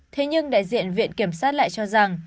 thế nhưng đại diện viện kiểm sát lại cho rằng